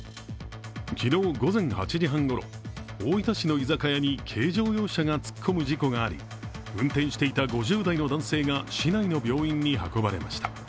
昨日午前８時半ごろ、大分市の居酒屋に軽乗用車が突っ込む事故があり、運転していた５０代の男性が市内の病院に運ばれました。